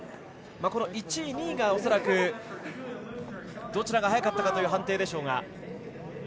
１位、２位が恐らくどちらが速かったかという判定でしょうが。